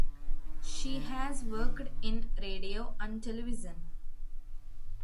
She has worked in radio and television.